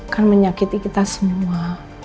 kan menyakiti kita semua